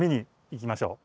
行きましょう。